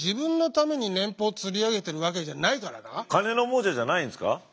俺は金の亡者じゃないんですか？